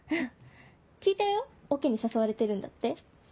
聞いたよオケに誘われてるんだって？